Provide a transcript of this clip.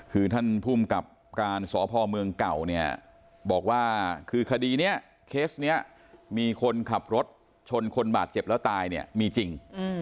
คือท่านภูมิกับการสพเมืองเก่าเนี่ยบอกว่าคือคดีนี้เคสนี้มีคนขับรถชนคนบาดเจ็บแล้วตายเนี่ยมีจริง